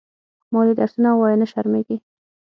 مالې درسونه ووايه نه شرمېږې.